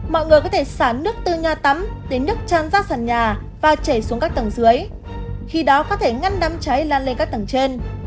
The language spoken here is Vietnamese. mọi người có thể xả nước từ nhà tắm đến nước tràn ra sân nhà và chảy xuống các tầng dưới khi đó có thể ngăn đám cháy lan lên các tầng trên